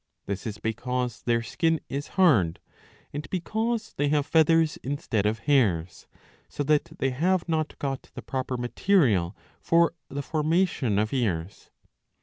^ This is because their skin is hard and because they have feathers instead of hairs, so that they have not got the proper material for the formation of ears.